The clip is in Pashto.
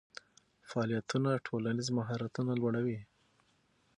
فعالیتونه ټولنیز مهارتونه لوړوي.